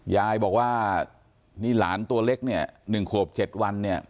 ยายบอกว่านี่หลานตัวเล็กเนี่ย๑ขวบ๗วันเนี่ย